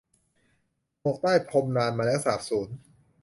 หมกใต้พรมนานมาแล้วสาบสูญ